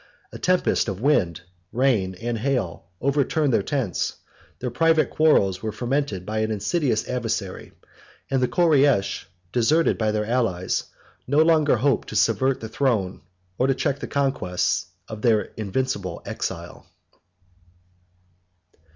A tempest of wind, rain, and hail, overturned their tents: their private quarrels were fomented by an insidious adversary; and the Koreish, deserted by their allies, no longer hoped to subvert the throne, or to check the conquests, of their invincible exile.